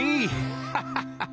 ハハハハッ。